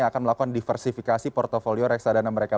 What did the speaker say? akan melakukan diversifikasi portfolio reksadana mereka